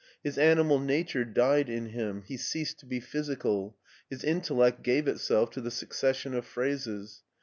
His animal nature died in him, he ceased to be physical, his intellect gave itself to the succession of phrases.